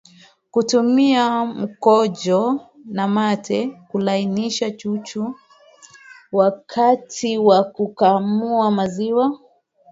Kutumia mkojo na mate kulainisha chuchu wakati wa kukamua maziwa